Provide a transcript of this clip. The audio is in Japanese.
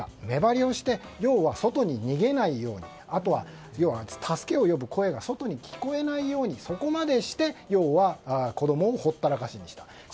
目張りをして外に逃げないようにあとは、助けを呼ぶ声が外に聞こえないようにとそこまでして、要は子供をほったらかしにしていた。